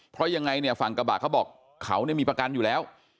เพราะยังไงเนี่ยฝั่งกระบะเขาบอกเขาเนี่ยมีประกันอยู่แล้ว